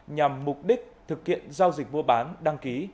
nhằm mục đích thực hiện giao dịch mua bán đăng ký